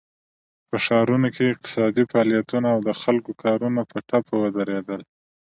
په ښارونو کې اقتصادي فعالیتونه او د خلکو کارونه په ټپه ودرېدل.